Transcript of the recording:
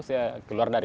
saya keluar dari